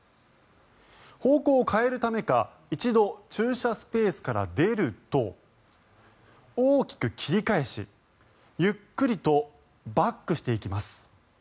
方向を変えるためか一度、駐車スペースから出ると大きく切り返しゆっくりとバックしていきます。